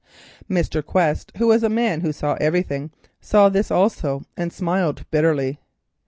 Mr. Quest, who was a man who saw everything, saw this also, and smiled bitterly.